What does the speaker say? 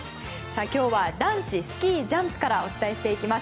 今日は男子スキージャンプからお伝えしていきます。